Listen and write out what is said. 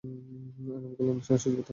আগামীকাল অনুষ্ঠানের সূচিপত্র।